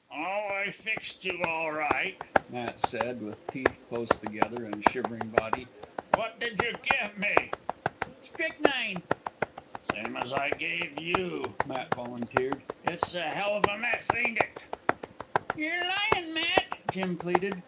"Oh, I fixed you all right," Matt said, with teeth close together and shivering body. "What did you give me?" "Strychnine." "Same as I gave you," Matt volunteered. "It's a hell of a mess, ain't it?" "You're lyin', Matt," Jim pleaded.